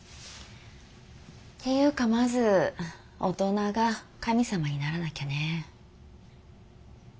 っていうかまず大人が神様にならなきゃね。